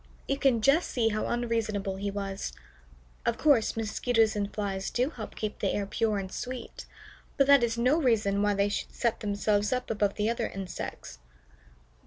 You can just see how unreasonable he was. Of course, Mosquitoes and Flies do help keep the air pure and sweet, but that is no reason why they should set themselves up above the other insects.